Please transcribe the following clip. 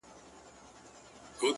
• دښایستونو خدایه اور ته به مي سم نیسې،